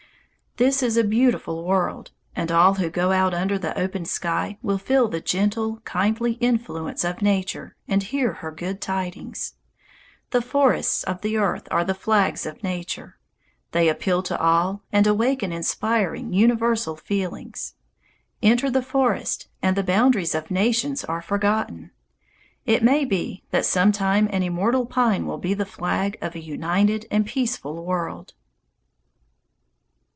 This is a beautiful world, and all who go out under the open sky will feel the gentle, kindly influence of Nature and hear her good tidings. The forests of the earth are the flags of Nature. They appeal to all and awaken inspiring universal feelings. Enter the forest and the boundaries of nations are forgotten. It may be that some time an immortal pine will be the flag of a united and peaceful world.